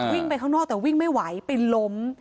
ไปข้างนอกแต่วิ่งไม่ไหวไปล้ม